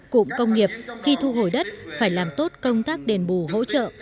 cụm công nghiệp khi thu hồi đất phải làm tốt công tác đền bù hỗ trợ